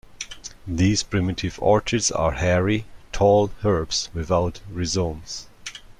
These primitive orchids are hairy, tall herbs without rhizomes.